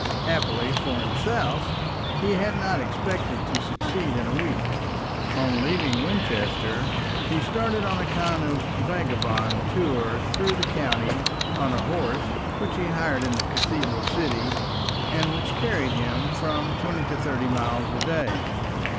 Happily for himself, he had not expected to succeed in a week. On leaving Winchester, he started on a kind of vagabond tour through the county, on a horse which he hired in the cathedral city, and which carried him from twenty to thirty miles a day.